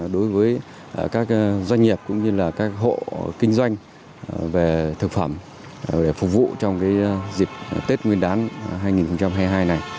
đối với các doanh nghiệp cũng như là các hộ kinh doanh về thực phẩm để phục vụ trong dịp tết nguyên đán hai nghìn hai mươi hai này